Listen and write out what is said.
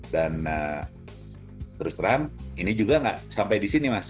dan terus terang ini juga nggak sampai di sini mas